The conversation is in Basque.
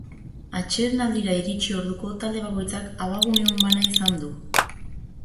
Atsedenaldira iritsi orduko, talde bakoitzak abagune on bana izan du.